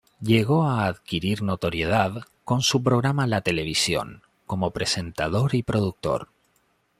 Llegó a adquirir notoriedad con su programa La Televisión como presentador y productor.